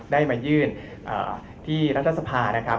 ได้มายื่นที่รัฐสภานะครับ